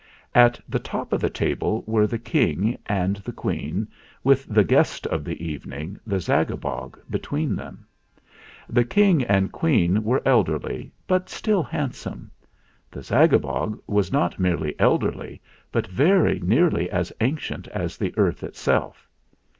At the top of the table were the King and the Queen, with the Guest of the Evening, the Zagabog, between them. The King and the Queen were elderly, but still handsome; the Zagabog was not merely elderly, but very nearly as ancient as the earth itself.